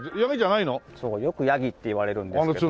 そうよくヤギっていわれるんですけどね。